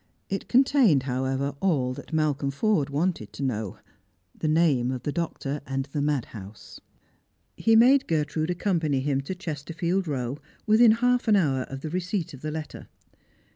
It contained, however, all that Malcolm Forde wanted to know, the name of the doctor and the madhouse. He made Gertrude accompany him to Chesterfield row within half an hour of the receipt of the letter.